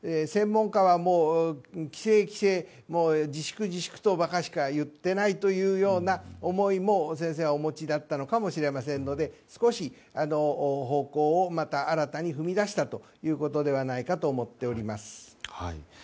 専門家はもう規制、規制自粛、自粛とばかりしか言っていないという思いも先生はお持ちだったのかもしれませんので、少し方向をまた新たに踏み出したということではないかと思っています。